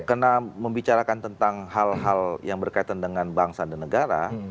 karena membicarakan tentang hal hal yang berkaitan dengan bangsa dan negara